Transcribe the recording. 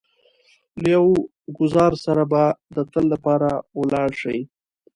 له يو ګوزار سره به د تل لپاره ولاړ شئ.